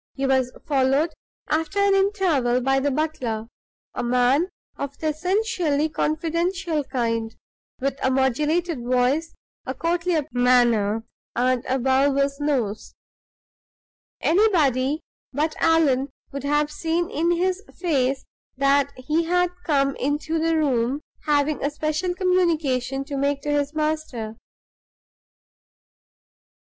He was followed, after an interval, by the butler, a man of the essentially confidential kind, with a modulated voice, a courtly manner, and a bulbous nose. Anybody but Allan would have seen in his face that he had come into the room having a special communication to make to his master.